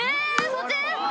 そっち！？